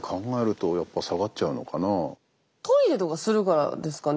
トイレとかするからですかね？